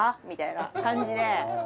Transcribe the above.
みたいな感じで。